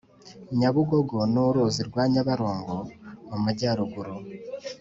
nyabugogo n'uruzi rwa nyabarongo mu majyaruguru